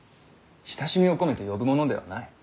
親しみを込めて呼ぶものではない。